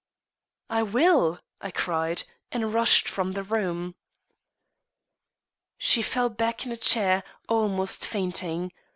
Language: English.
"I will," I cried, and rushed from the room. She fell back in a chair, almost fainting.